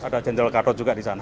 ada jenderal gatot juga di sana